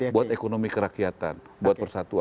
buat ekonomi kerakyatan buat persatuan